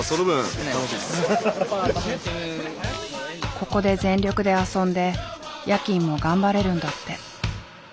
ここで全力で遊んで夜勤も頑張れるんだって。